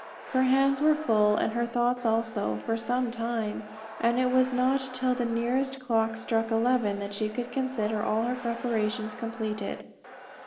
Her hands were full, and her thoughts also, for some time; and it was not till the nearest clock struck eleven that she could consider all her preparations completed.